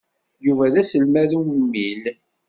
Yuba d aselmad ummil.